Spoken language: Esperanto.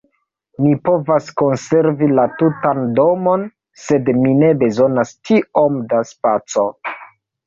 Ni povas konservi la tutan domon, sed ni ne bezonas tiom da spaco.